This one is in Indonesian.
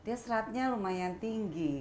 dia seratnya lumayan tinggi